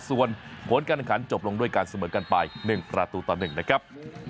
ส่วนผลการแข่งขันจบลงด้วยการเสมอกันไป๑ประตูต่อ๑นะครับ